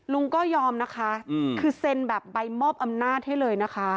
ลุงก็ยอมนะคะคือเซ็นแบบใบมอบอำนาจให้เลยนะคะ